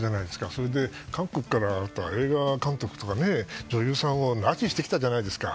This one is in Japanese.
それで、韓国から映画監督とか女優さんを拉致してきたじゃないですか。